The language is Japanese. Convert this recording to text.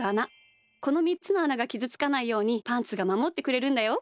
この３つのあながきずつかないようにパンツがまもってくれるんだよ。